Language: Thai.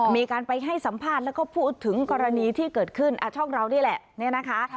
มีการไปให้สัมภาษณ์แล้วก็พูดถึงกรณีที่เกิดขึ้นช่องเรานี่แหละเนี่ยนะคะ